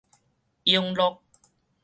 永樂